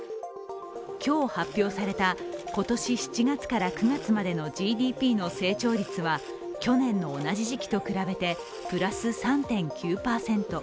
今日発表された今年７月から９月までのＧＤＰの成長率は去年の同じ時期と比べてプラス３．９％。